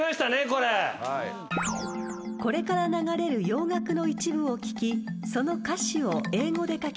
［これから流れる洋楽の一部を聴きその歌詞を英語で書きなさい］